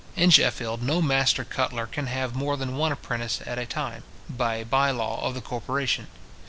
In Sheffield, no master cutler can have more than one apprentice at a time, by a bye law of the corporation.